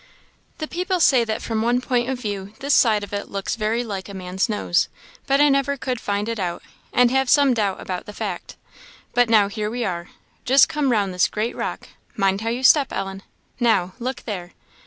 The people say that from one point of view this side of it looks very like a man's nose; but I never could find it out, and have some doubt about the fact. But now here we are! Just come round this great rock mind how you step, Ellen now, look there!"